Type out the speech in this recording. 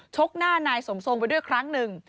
กหน้านายสมทรงไปด้วยครั้งหนึ่ง